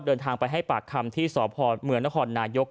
เดินทางไปให้ปากคำที่สพเมืองนครนายก